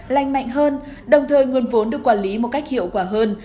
lành mạnh hơn đồng thời nguồn vốn được quản lý một cách hiệu quả hơn